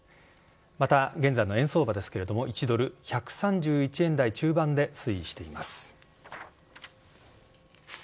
また現在の円相場ですけれども、１ドル１３１円台中盤で推移しています。